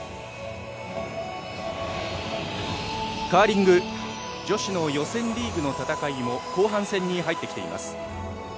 カーリング女子の予選リーグの戦いも後半戦に入ってきています。